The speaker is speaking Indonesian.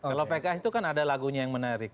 kalau pks itu kan ada lagunya yang menarik